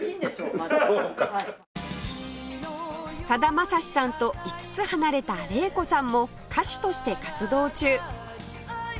さだまさしさんと５つ離れた玲子さんも歌手として活動中